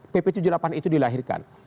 pp tujuh puluh delapan itu dilahirkan